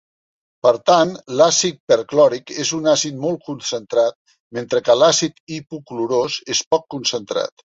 Per tant, l'àcid perclòric és un àcid molt concentrat mentre que l'àcid hipoclorós és poc concentrat.